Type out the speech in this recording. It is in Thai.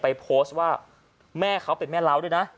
โพสต์ว่าแม่เขาเป็นแม่เล้าด้วยนะ